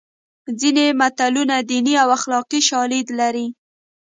ځینې متلونه دیني او اخلاقي شالید لري